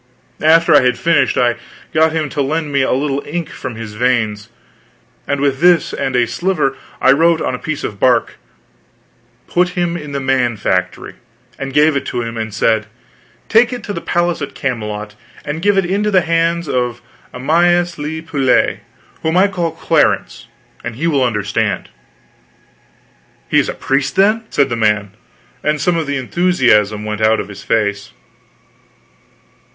After I had finished, I got him to lend me a little ink from his veins; and with this and a sliver I wrote on a piece of bark Put him in the Man factory and gave it to him, and said: "Take it to the palace at Camelot and give it into the hands of Amyas le Poulet, whom I call Clarence, and he will understand." "He is a priest, then," said the man, and some of the enthusiasm went out of his face.